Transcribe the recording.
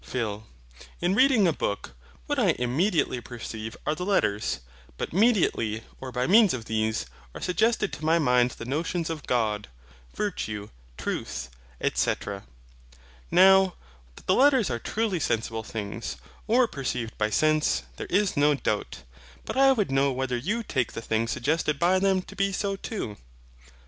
PHIL. In reading a book, what I immediately perceive are the letters; but mediately, or by means of these, are suggested to my mind the notions of God, virtue, truth, &c. Now, that the letters are truly sensible things, or perceived by sense, there is no doubt: but I would know whether you take the things suggested by them to be so too.